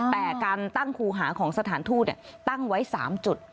แต่การตั้งคูหาของสถานทูเนี่ยตั้งไว้สามจุด